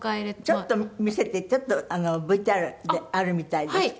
ちょっと見せてちょっとＶＴＲであるみたいです。